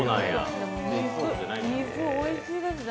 肉おいしいですね。